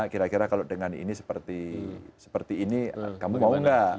kira kira kalau dengan ini seperti ini kamu mau nggak